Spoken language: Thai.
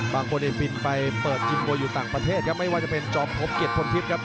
บางคนจะฟินไปเปิดยิมโบ้อยู่ต่างประเทศครับไม่ว่าจะเป็นจอปภพเกร็ดผลพิษครับ